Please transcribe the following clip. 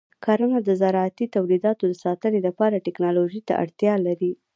کرنه د زراعتي تولیداتو د ساتنې لپاره ټیکنالوژۍ ته اړتیا لري.